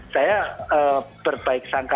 saya berbaik sangka